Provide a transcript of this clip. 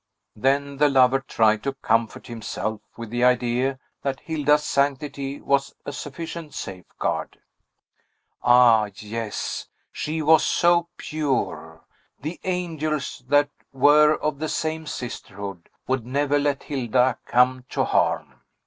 Then the lover tried to comfort himself with the idea that Hilda's sanctity was a sufficient safeguard. Ah, yes; she was so pure! The angels, that were of the same sisterhood, would never let Hilda come to harm.